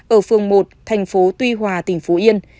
ở phường một thành phố tuy hòa tỉnh phú yên